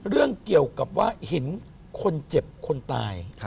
เรื่องเกี่ยวกับว่าเห็นคนเจ็บคนตาย